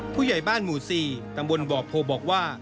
ผู้ใหญ่บ้านหมู่๔ตำบลบ่อโพบอกว่า